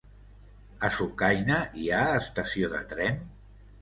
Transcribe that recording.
A Sucaina hi ha estació de tren?